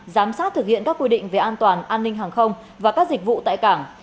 giám sát thực hiện các quy định về an toàn an ninh hàng không và các dịch vụ tại cảng